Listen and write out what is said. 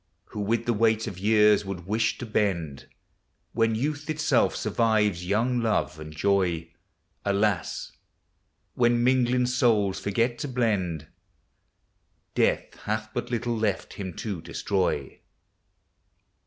Who with the weight of years would wish to bend, When Youth itself survives young Love and joy? Alas! when mingling souls forge! to blend, Death hath but little left him to destroy!